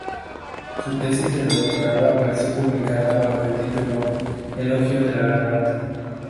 Su tesis de doctorado apareció publicada bajo el título "Elogio de la levedad.